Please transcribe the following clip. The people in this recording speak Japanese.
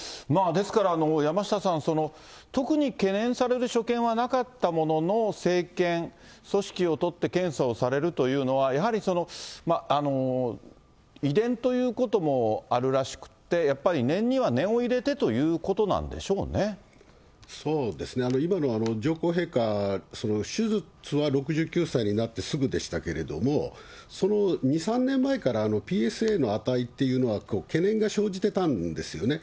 ですから、山下さん、特に懸念される所見はなかったものの、生検、組織を取って検査をされるというのは、やはり遺伝ということもあるらしくって、やっぱり念には念を入れてっていうことなんでしょそうですね、今の上皇陛下、手術は６９歳になってすぐでしたけれども、その２、３年前からＰＳＡの値っていうのは、懸念が生じてたんですよね。